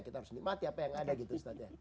kita harus nikmati apa yang ada gitu